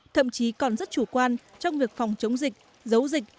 thậm chí còn rất chủ quan trong việc phòng chống dịch giấu dịch